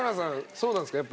そうなんですか？